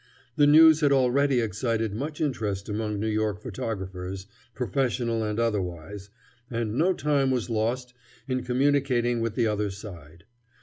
The news had already excited much interest among New York photographers, professional and otherwise, and no time was lost in communicating with the other side.